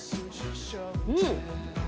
うん。